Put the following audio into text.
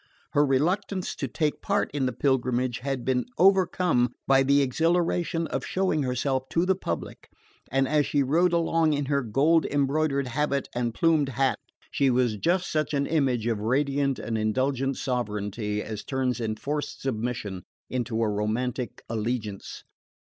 Her reluctance to take part in the pilgrimage had been overcome by the exhilaration of showing herself to the public, and as she rode along in her gold embroidered habit and plumed hat she was just such an image of radiant and indulgent sovereignty as turns enforced submission into a romantic allegiance.